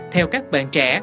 theo các bạn trẻ